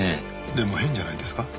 でも変じゃないですか？